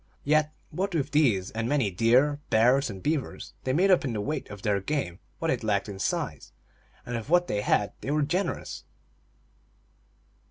Yet, what with these and many deer, bears, and beavers, they made up in the weight of their game what it lacked in size, and of what they had they were generous.